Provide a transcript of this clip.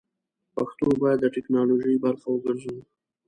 پښتو بايد د ټيکنالوژۍ برخه وګرځوو!